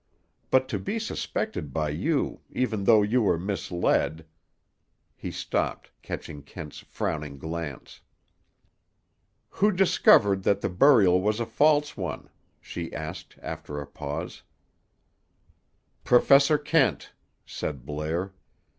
"But, to be suspected by you, even though you were misled—" He stopped, catching Kent's frowning glance. "Who discovered that the burial was a false one?" she asked, after a pause. "Professor Kent," said Blair.